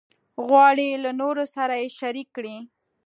غواړي له نورو سره یې شریک کړي.